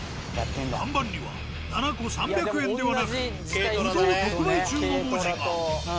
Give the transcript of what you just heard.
看板には７個３００円ではなく「ぶどう特売中」の文字が。